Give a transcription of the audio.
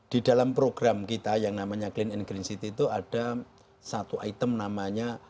di dalam program kita yang namanya clean and green city itu ada satu item namanya